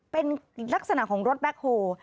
เป็นลักษณะของรถแบ็คโฮล